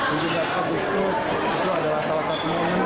dan juga kabus itu adalah salah satu momen